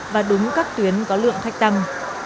và đúng các tuyến có lượng khách tăng